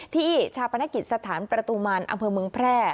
ชาปนกิจสถานประตูมันอำเภอเมืองแพร่